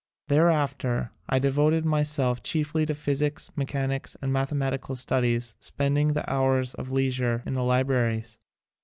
Thereafter I devoted myself chiefly to phys ics, mechanics and mathematical studies, spending the hours of leisure in the libra ries.